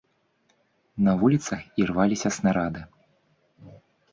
На вуліцах ірваліся снарады.